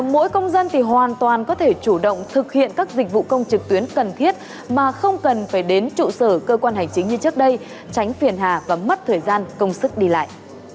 mỗi công dân thì hoàn toàn có thể chủ động thực hiện các dịch vụ công trực tuyến cần thiết mà không cần phải đến trụ sở cơ quan hành chính như trước đây tránh phiền hà và mất thời gian công sức đi lại